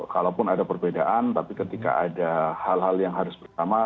kalaupun ada perbedaan tapi ketika ada hal hal yang harus bersama